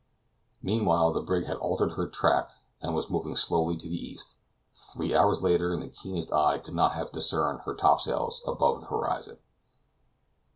Meanwhile the brig had altered her track, and was moving slowly to the east. Three hours later and the keenest eye could not have discerned her top sails above the horizon.